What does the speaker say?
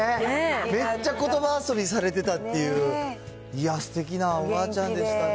めっちゃ、ことば遊びされてたっていう。いや、すてきなおばあちゃんでしたね。